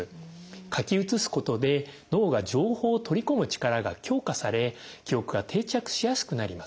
書き写すことで脳が情報を取り込む力が強化され記憶が定着しやすくなります。